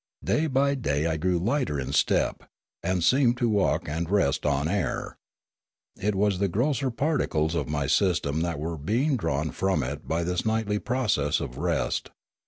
Day by day I grew lighter in step, and seemed to walk and rest on air. It was the grosser particles of my system that were being withdrawn from it by this nightly process of rest.